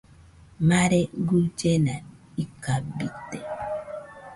Mare guillena ikabite.